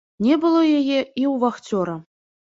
Не было яе і ў вахцёра.